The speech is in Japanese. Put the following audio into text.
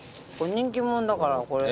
人気者だからこれ。